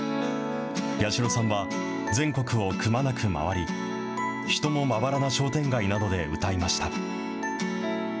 八代さんは全国をくまなく回り、人もまばらな商店街などで歌いました。